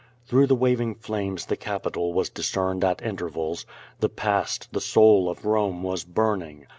Through the waving flames the Capitol was discerned at intervals. The past, the soul of Rome was burning.